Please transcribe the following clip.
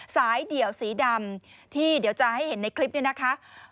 เดี่ยวสีดำที่เดี๋ยวจะให้เห็นในคลิปนี้นะคะ